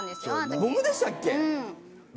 僕でしたっけ？